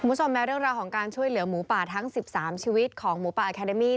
คุณผู้ชมแม้เรื่องราวของการช่วยเหลือหมูป่าทั้ง๑๓ชีวิตของหมูป่าอาคาเดมี่